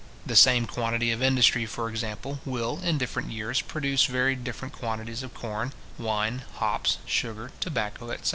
The same quantity of industry, for example, will, in different years, produce very different quantities of corn, wine, hops, sugar tobacco, etc.